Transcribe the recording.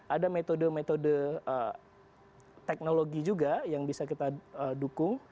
ada metode metode teknologi juga yang bisa kita dukung